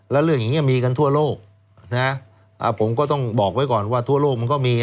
แล้วเรื่องอย่างนี้มีกันทั่วโลกนะผมก็ต้องบอกไว้ก่อนว่าทั่วโลกมันก็มี